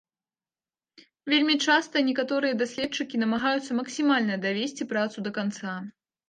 Вельмі часта некаторыя даследчыкі намагаюцца максімальна давесці працу да канца.